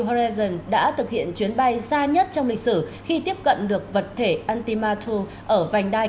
horezon đã thực hiện chuyến bay xa nhất trong lịch sử khi tiếp cận được vật thể antimature ở vành đai